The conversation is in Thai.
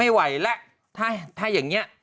ไม่ไหวแล้วถ้าอย่างนี้